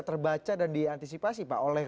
terbaca dan diantisipasi pak oleh